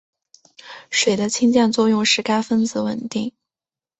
水的氢键作用使该分子稳定。